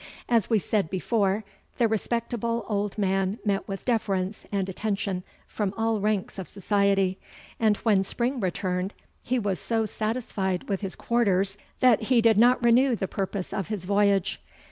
As we said before, the respectable old man met with deference and attention from all ranks of society; and when spring returned, he was so satisfied with his quarters, that he did not renew the purpose of his voyage.